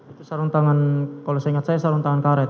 itu sarung tangan kalau saya ingat saya sarung tangan karet